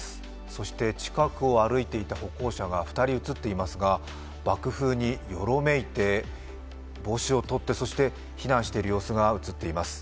そして近くを歩いていた歩行者が２人、映っていますが爆風によろめいて帽子を取ってそして避難している様子が映っています。